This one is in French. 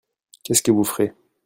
Qu'est-ce que vous ferez ?